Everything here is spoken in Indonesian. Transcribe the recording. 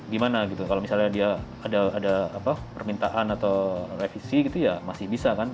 gimana gitu kalau misalnya dia ada permintaan atau revisi gitu ya masih bisa kan